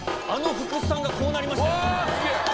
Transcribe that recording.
あの福士さんがこうなりましたよ。